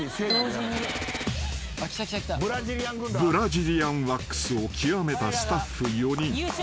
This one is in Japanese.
［ブラジリアンワックスを極めたスタッフ４人］